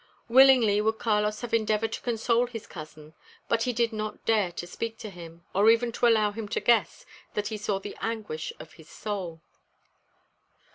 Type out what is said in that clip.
Willingly would Carlos have endeavoured to console his cousin; but he did not dare to speak to him, or even to allow him to guess that he saw the anguish of his soul.